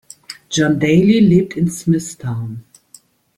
John Daly lebt in Smithtown.